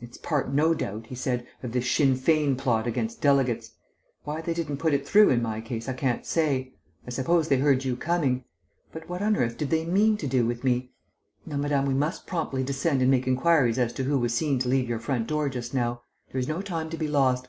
"It's part, no doubt," he said, "of this Sinn Fein plot against delegates. Why they didn't put it through in my case I can't say. I suppose they heard you coming.... But what on earth did they mean to do with me? Now, madame, we must promptly descend and make inquiries as to who was seen to leave your front door just now. There is no time to be lost....